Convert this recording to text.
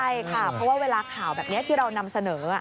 ใช่ค่ะเพราะว่าเวลาข่าวแบบนี้ที่เรานำเสนอ